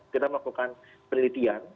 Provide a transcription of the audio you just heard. kita melakukan penelitian